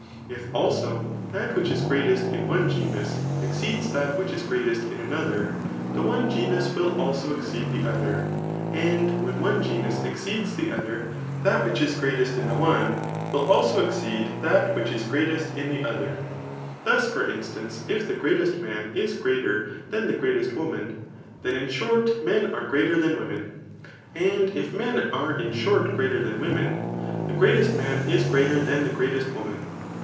If, also, that which is greatest [In one genusj exceeds thaf which js greatest [in another,] the one genus will also exceed the other ; and when one genus exceeds the other, that which is greatest in the one, will also exceed that which is greatest in the other. Thus^ for instance, if the greatest man is greater than the greatest woman, then in short men are greater than wo men ; and if men are in short greater than women, the greatest man is greater than the greatest woman.